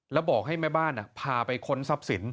แล้วบอกให้แม่บ้านพาไปค้นทรัพย์สิน